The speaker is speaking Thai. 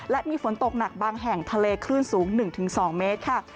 และมีฝนตกหนักบางแห่งทะเลคลื่นสูง๑๒เมตรค่ะ